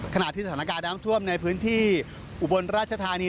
ขณะที่สถานการณ์น้ำท่วมในพื้นที่อุบลราชธานี